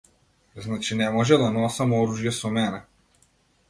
Значи не може да носам оружје со мене.